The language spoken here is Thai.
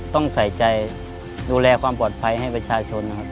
ต้องใส่ใจดูแลความปลอดภัยให้ประชาชนนะครับ